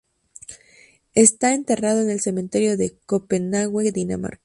Está enterrado en el cementerio de Copenhague, Dinamarca.